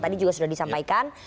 tadi juga sudah disampaikan